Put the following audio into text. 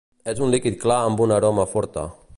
És un líquid clar amb una aroma forta.